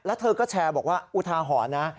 แล้วเธอก็แชร์บอกว่าอุทาหรณ์นะ